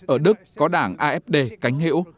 ở đức có đảng afd cánh hữu